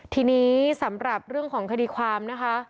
ทีนี้สำหรับเรื่องของคดีความนะคะ